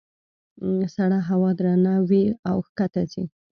سړه هوا درنه وي او ښکته ځي.